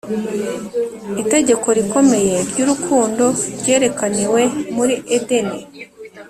itegeko rikomeye ry’urukundo ryerekaniwe muri edeni